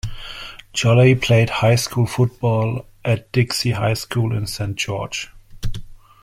Jolley played high school football at Dixie High School in Saint George.